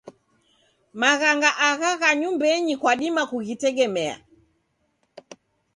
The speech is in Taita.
Maghanga agha gha nyumbenyi kwadima kughitegemea.